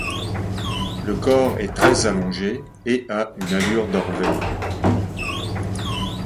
Le corps est très allongé, et a une allure d'orvet.